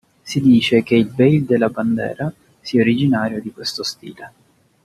Si dice che il "baile de la bandera" sia originario di questo stile.